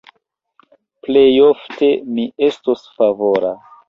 Plejofte mi estos favora.